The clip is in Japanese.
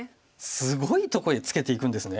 すごいとこへツケていくんですね。